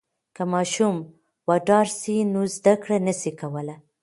که ماشوم وډار سي نو زده کړه نسي کولای.